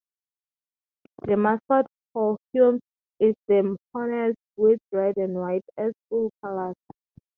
The mascot for Hume is the Hornets, with red and white as school colors.